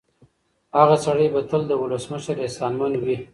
هغه سړی به تل د ولسمشر احسانمن وي.